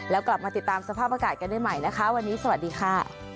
แล้วกลับมาติดตามสภาพอากาศกันได้ใหม่นะคะวันนี้สวัสดีค่ะ